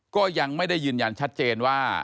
ก็ยังไม่ได้ยืนยันชัดเจนว่า